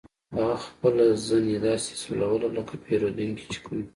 هغه خپله زنې داسې سولوله لکه پیرودونکي چې کوي